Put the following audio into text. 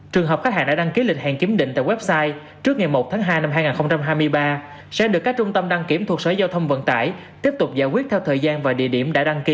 trường hợp khách hàng đã đăng ký lịch hẹn kiểm định tại website trước ngày một tháng hai năm hai nghìn hai mươi ba sẽ được các trung tâm đăng kiểm thuộc sở giao thông vận tải tiếp tục giải quyết theo thời gian và địa điểm đã đăng ký